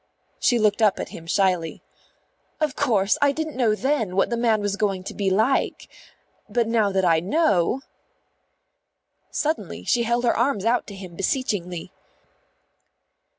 She looked up at him shyly. "Of course I didn't know then what the man was going to be like. But now that I know " Suddenly she held her arms out to him beseechingly.